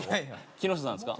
木下さんですか？